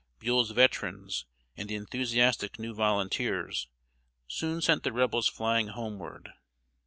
Buell's veterans, and the enthusiastic new volunteers soon sent the Rebels flying homeward.